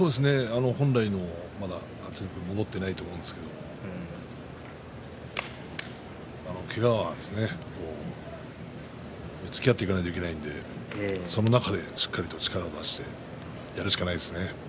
本来の圧力はまだ戻っていないと思うんですけれどけがはつきあっていかないといけないのでその中で、しっかりと力を出してやるしかないですね。